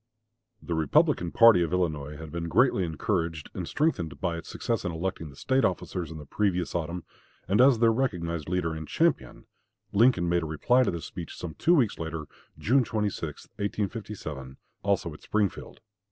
The Republican party of Illinois had been greatly encouraged and strengthened by its success in electing the State officers in the previous autumn; and as their recognized leader and champion, Lincoln made a reply to this speech some two weeks later, June 26, 1857, also at Springfield.